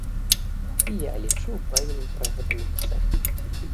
І я, лічу, павінен пра гэта напісаць.